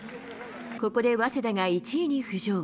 ここで早稲田が１位に浮上。